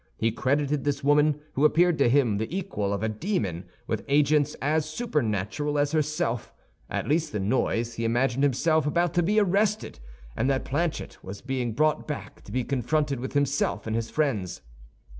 He credited this woman, who appeared to him the equal of a demon, with agents as supernatural as herself; at the least noise, he imagined himself about to be arrested, and that Planchet was being brought back to be confronted with himself and his friends.